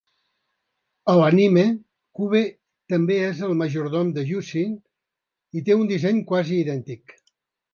A l'anime, Cube també és el majordom de Yucie i té un disseny quasi idèntic.